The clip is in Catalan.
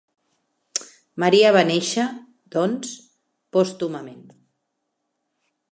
Maria va néixer, doncs, pòstumament.